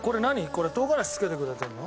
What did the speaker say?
これ唐辛子付けてくれてるの？